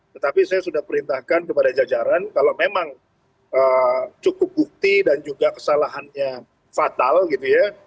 tetapi saya sudah perintahkan kepada jajaran kalau memang cukup bukti dan juga kesalahannya fatal gitu ya